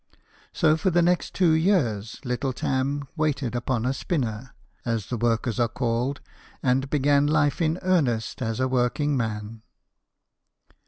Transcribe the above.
So, for the next two years, little Tarn waited upon a spinner (as the workers are called) and began life in earnest as a working man.